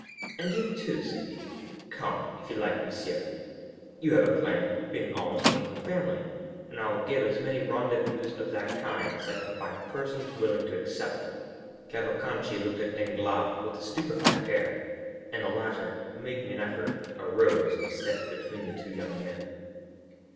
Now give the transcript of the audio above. "And you, too," said he, "come, if you like, monsieur; you have a claim, being almost one of the family, and I will give as many rendezvous of that kind as I can find persons willing to accept them." Cavalcanti looked at Danglars with a stupefied air, and the latter, making an effort, arose and stepped between the two young men.